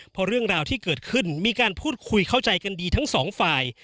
เพราะเรื่องราวที่เกิดขึ้นมีการพูดคุยเข้าใจกันดีทั้งสองฝ่าย